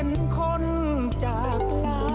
อออนไลฟ์อีกแรกเกดดไปกันครับ